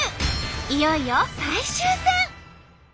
いよいよ最終戦。